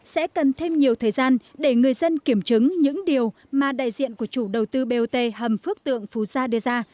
sẽ cần thêm nhiều thời gian để người dân kiểm chứng những điều mà đại diện của chủ đầu tư bot hầm phước tượng phú gia đưa ra